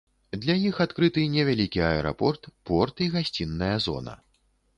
Для іх адкрыты невялікі аэрапорт, порт і гасцінная зона.